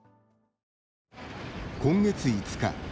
今月５日。